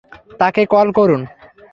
তাকে কল করুন।